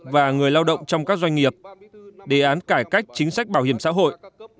và người lao động trong các doanh nghiệp đề án cải cách chính sách bảo hiểm xã hội